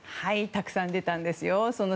たくさん出たんです。